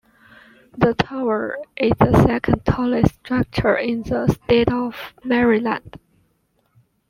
The tower is the second tallest structure in the state of Maryland.